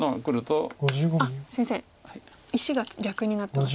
あっ先生石が逆になってます。